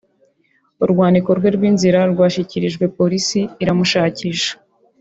urwandiko rwe rw’inzira rwashyikirijwe Polisi iramushakisha